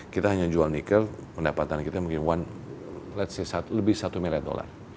kita hanya jual nickel pendapatan kita mungkin lebih satu miliar dolar